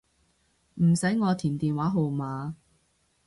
唔使我填電話號碼